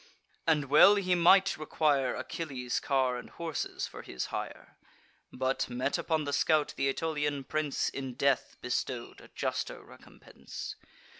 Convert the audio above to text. and well he might require Achilles' car and horses, for his hire: But, met upon the scout, th' Aetolian prince In death bestow'd a juster recompense.